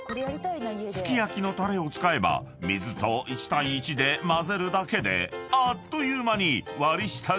［すき焼きのたれを使えば水と１対１で混ぜるだけであっという間に割下が完成］